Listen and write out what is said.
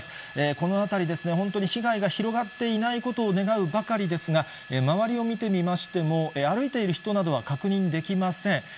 この辺りですね、本当に被害が広がっていないことを願うばかりですが、周りを見てみましても、歩いている人などは確認できません。